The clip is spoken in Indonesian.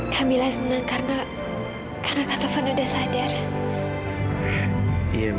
sampai jumpa di video selanjutnya